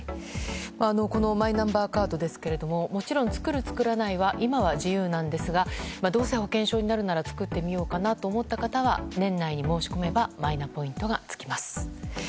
このマイナンバーカードもちろん作る、作らないは今は自由なんですがどうせ保険証になるなら作ってみようかなと思った方は年内に申し込めばマイナポイントが付きます。